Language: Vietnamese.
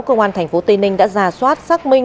công an tp tây ninh đã ra soát xác minh